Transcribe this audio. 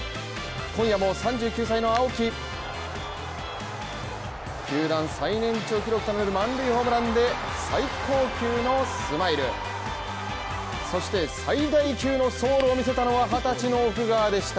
今夜も３９歳の青木球団最年長記録となる満塁ホームランで最高級のスマイルそして最大級のソウルを見せたのは２０歳の奥川でした。